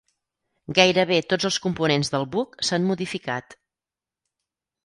Gairebé tots els components del buc s'han modificat.